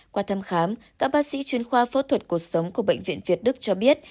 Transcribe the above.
qua thăm khám các bác sĩ chuyên khoa phẫu thuật cuộc sống của bệnh viện việt đức cho biết